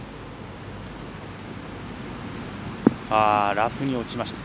ラフに落ちました。